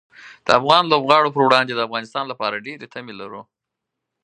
د افغان لوبغاړو پر وړاندې د افغانستان لپاره ډېرې تمې لرو.